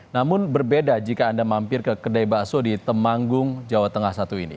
namun berbeda jika anda mampir ke kedai bakso di temanggung jawa tengah satu ini